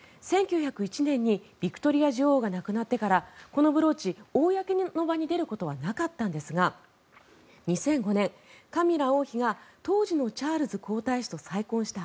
１９０１年にビクトリア女王が亡くなってからこのブローチ公の場に出ることはなかったんですが２００５年、カミラ王妃が当時のチャールズ皇太子と再婚した